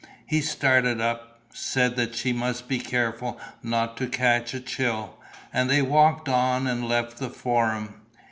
He started up, said that she must be careful not to catch a chill; and they walked on and left the Forum.